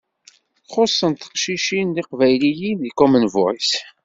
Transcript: Xuṣṣent teqcicin tiqbayliyin deg Common Voice.